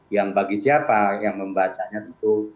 yang bagi siapa yang membacanya tentu